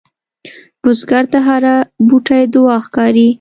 بزګر ته هره بوټۍ دعا ښکاري